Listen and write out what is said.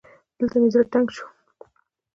دلته مې زړه تنګ شو